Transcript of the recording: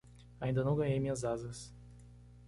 Ainda não ganhei minhas asas.